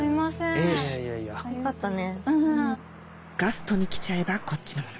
よしガストに来ちゃえばこっちのもの